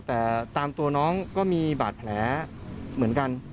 แต่ตามตัวน้องก็มีบาดแผลเหมือนกัน